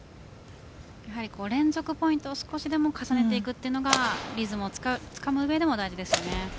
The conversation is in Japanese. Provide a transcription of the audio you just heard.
連続ポイントを少しでも重ねていくというのがリズムをつかむ上でも大事ですね。